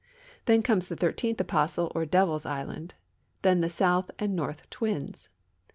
Then comes the thirteenth apostle, or Devil's island ; then the south and north Twins.